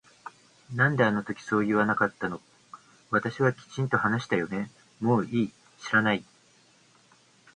なんであの時そう言わなかったの私はきちんと話したよねもういい知らない